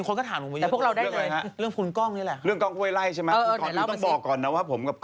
คุณก็มีโอกาสชิงแชมป์เหรียญนี้ได้ค่ะ